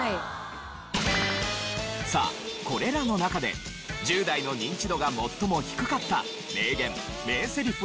さあこれらの中で１０代のニンチドが最も低かった名言・名セリフはどれでしょう？